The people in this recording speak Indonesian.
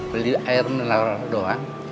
beli air menelan doang